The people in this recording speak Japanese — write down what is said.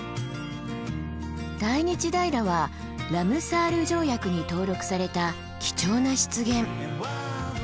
大日平はラムサール条約に登録された貴重な湿原。